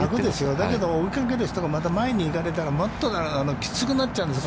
だけど、追いかける人がまだ前にいられたら、もっときつくなっちゃうんですよ。